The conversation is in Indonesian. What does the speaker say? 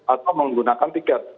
atau menggunakan tiket